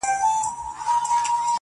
• تور یم، موړ یمه د ژوند له خرمستیو_